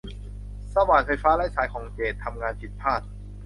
สว่านไฟฟ้าไร้สายของเจดทำงานผิดพลาด